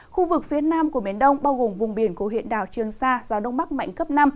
khu vực phía nam của biển đông bao gồm vùng biển của huyện đảo trương sa gió đông bắc mạnh cấp năm